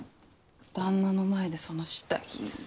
旦那の前でその下着。